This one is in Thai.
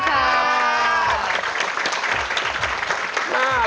ขอบพระคุณครับ